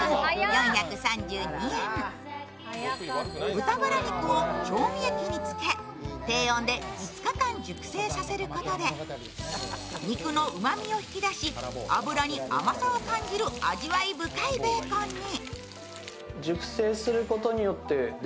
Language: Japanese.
豚バラ肉を調味液につけ低温で５日間熟成させることで肉のうまみを引き出し、脂に甘さを感じる味わい深いベーコンに。